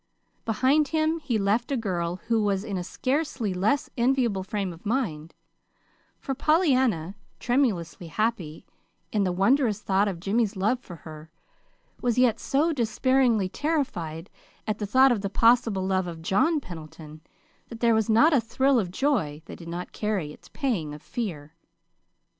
Behind him he left a girl who was in a scarcely less enviable frame of mind; for Pollyanna, tremulously happy in the wondrous thought of Jimmy's love for her, was yet so despairingly terrified at the thought of the possible love of John Pendleton, that there was not a thrill of joy that did not carry its pang of fear.